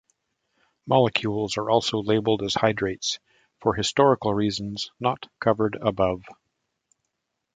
Molecules are also labeled as hydrates for historical reasons not covered above.